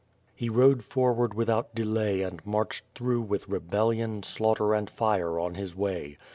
He rode forward without delay and marched through with rebellion, slaughter and fire on his way.